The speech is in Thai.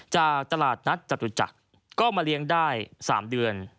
จากตลาดนัดจตุจักรก็มาเลี้ยงได้๓เดือน